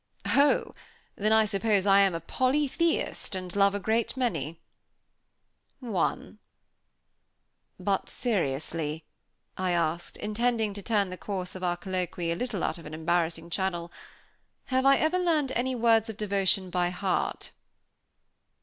"Oh! Then I suppose I am a polytheist, and love a great many?" "One." "But, seriously," I asked, intending to turn the course of our colloquy a little out of an embarrassing channel, "have I ever learned any words of devotion by heart?"